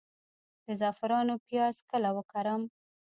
د زعفرانو پیاز کله وکرم؟